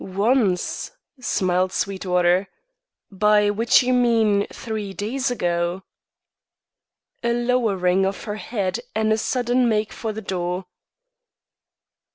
"Once," smiled Sweetwater; "by which you mean, three days ago." A lowering of her head and a sudden make for the door.